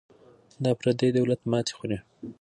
دا پردی دولت ماتې خوري.